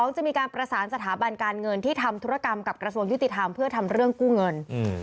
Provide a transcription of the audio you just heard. จะมีการประสานสถาบันการเงินที่ทำธุรกรรมกับกระทรวงยุติธรรมเพื่อทำเรื่องกู้เงิน